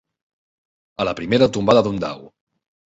A la primera tombada d'un dau.